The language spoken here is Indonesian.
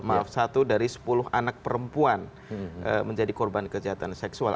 maaf satu dari sepuluh anak perempuan menjadi korban kejahatan seksual